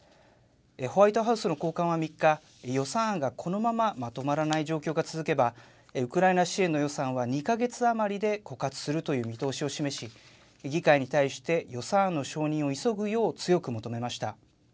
ホワイトハウスの高官は３日、予算案がこのまままとまらない状況が続けば、ウクライナ支援の予算は２か月余りで枯渇するという見通しを示し、議会に対して予算案の承認を急ぐよう強く求めました。